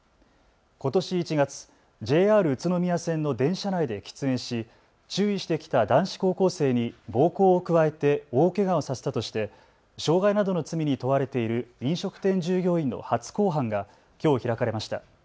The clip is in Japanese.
ことし１月、ＪＲ宇都宮線の電車内で喫煙し注意してきた男子高校生に暴行を加えて大けがをさせたとして傷害などの罪に問われている飲食店従業員の初公判がきょう開かれました。